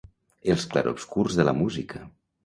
Els clarobscurs de la música.